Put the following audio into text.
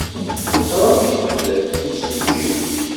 Teẓramt-d imsujji.